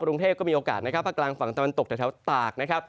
กรุงเทพก็มีโอกาสผ้ากลางฝั่งแต่มันตกถึงแถวตาก